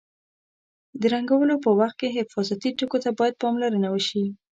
د رنګولو په وخت کې حفاظتي ټکو ته باید پاملرنه وشي.